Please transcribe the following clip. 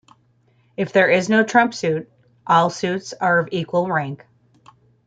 If there is no trump suit, all suits are of equal rank.